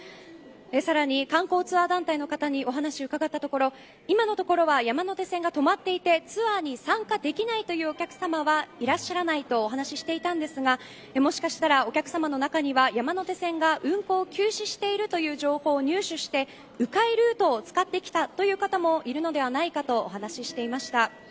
さらに、観光ツアー団体の方にお話を伺ったところ今のところは山手線が止まっていてツアーに参加できないというお客さまはいらっしゃらないとお話していたんですがもしかしたら、お客様の中には山手線が運行を休止しているという情報を入手して迂回ルートを使ってきたという方もいるのではないかとお話していました。